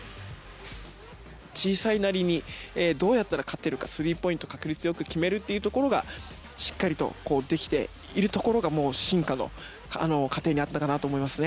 小さいなりにどうやったら勝てるかスリーポイントを確率よく決めるというところがしっかりとできているところが進化の過程にあったかなと思いますね。